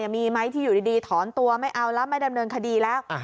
มีไหมที่อยู่ดีถอนตัวไม่เอาแล้วไม่ดำเนินคดีแล้ว